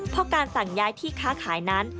เพราะการสั่งย้ายที่ค้าขายนั้น